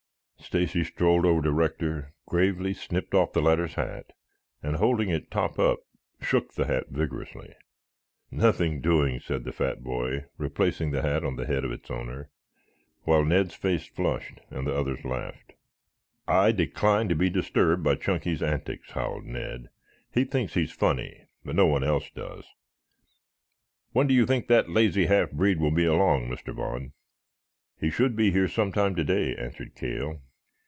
Stacy strolled over to Rector, gravely snipped off the latter's hat and holding it top up shook the hat vigorously. "Nothing doing," said the fat boy, replacing the hat on the head of its owner, while Ned's face flushed, and the others laughed. "I decline to be disturbed by Chunky's antics," howled Ned. "He thinks he's funny, but no one else does. When do you think that lazy half breed will be along, Mr. Vaughn?" "He should be here some time today," answered Cale.